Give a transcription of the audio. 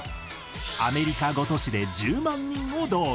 アメリカ５都市で１０万人を動員。